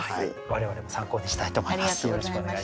我々も参考にしたいと思います。